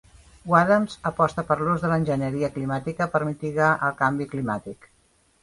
Wadhams aposta per l'ús de l'enginyeria climàtica per mitigar el canvi climàtic.